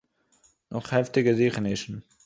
נאָך העפטיגע זוכענישן